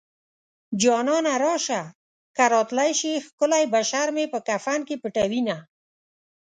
جانانه راشه که راتلی شې ښکلی بشر مې په کفن کې پټوينه